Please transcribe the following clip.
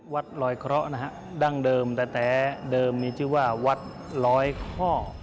วัดลอยเคราะห์นะฮะดั้งเดิมแต่เดิมมีชื่อว่าวัดลอยเคราะห์